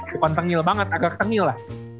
bukan tengil banget agak tengil lah